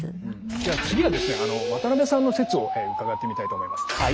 じゃあ次はですね渡辺さんの説を伺ってみたいと思います。